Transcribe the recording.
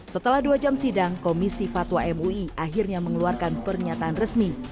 setelah dua jam sidang komisi fatwa mui akhirnya mengeluarkan pernyataan resmi